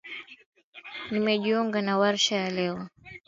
Nimejiunga na warsha ya leo.